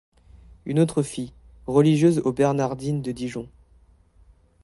Une autre fille, religieuse aux Bernardines de Dijon.